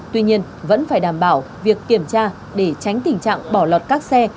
tuy nhiên vẫn phải đảm bảo việc kiểm tra để tránh tình trạng bỏ lọt các xe